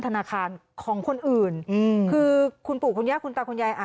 ธนาคารของคนอื่นอืมคือคุณปู่คุณย่าคุณตาคุณยายอ่ะ